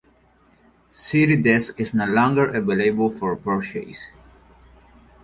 CityDesk is no longer available for purchase.